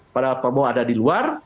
padahal prabowo ada di luar